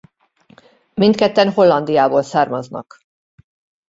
Mindketten Hollandiából származnak.